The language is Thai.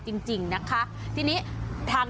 แต่ว่าตรงนี้มันบัง